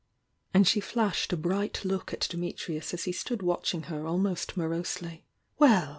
And she flashed a bright look at Dimi trius as he stood watching her almost morosely. "Well!"